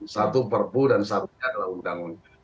satu perpu dan satunya adalah undang undang